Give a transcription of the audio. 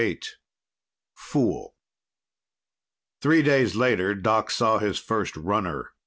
VIII Fool Three days later, Doc saw his first runner.